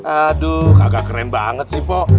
aduh kagak keren banget sih mbak